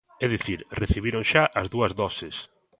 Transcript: É dicir, recibiron xa as dúas doses.